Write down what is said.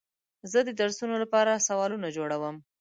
زه د درسونو لپاره سوالونه جوړوم.